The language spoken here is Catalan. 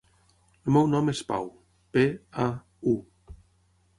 El meu nom és Pau: pe, a, u.